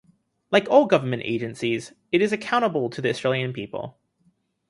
Like all government agencies, it is accountable to the Australian people.